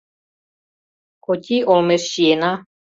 Коти олмеш чиена.